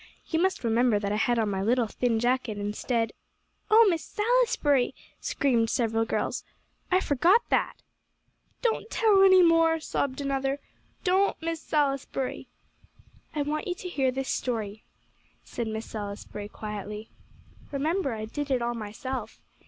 You must remember that I had on my little thin jacket, instead " "Oh Miss Salisbury!" screamed several girls, "I forgot that." "Don't tell any more," sobbed another "don't, Miss Salisbury." "I want you to hear this story," said Miss Salisbury quietly. "Remember, I did it all myself.